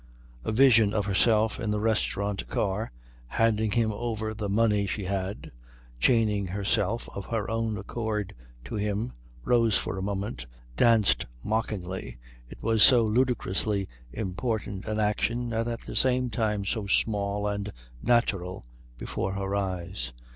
A vision of herself in the restaurant car handing him over the money she had, chaining herself of her own accord to him, rose for a moment danced mockingly, it was so ludicrously important an action and at the same time so small and natural before her eyes.